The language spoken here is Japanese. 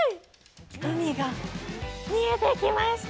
海が見えてきました！